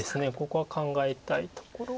ここは考えたいところ。